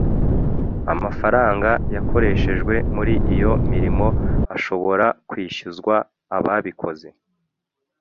amafaranga yakoreshejwe muri iyo mirimo ashobora kwishyuzwa ababikoze